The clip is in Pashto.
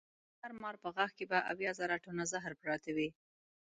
د هر مار په غاښ کې به اویا زره ټنه زهر پراته وي.